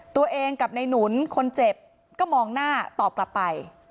ตัวเองกับในหนุนคนเจ็บก็มองหน้าตอบกลับไป